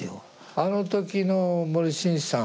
あの時の森進一さん